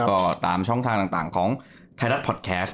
ก็ตามช่องทางต่างของไทยรัฐพอดแคสต